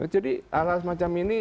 jadi alas macam ini